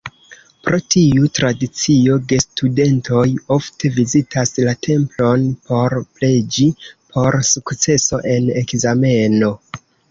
Pro tiu tradicio gestudentoj ofte vizitas la templon por preĝi por sukceso en ekzameno.